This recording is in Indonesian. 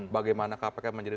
bagaimana kpk menjadi